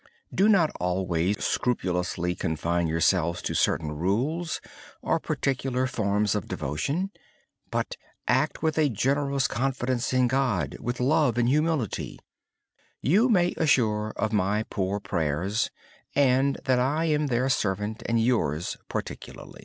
Do not always scrupulously confine yourself to certain rules or particular forms of devotion. Instead, act in faith with love and humility. You may assure M of my poor prayers, and that I am their servant, and yours particularly.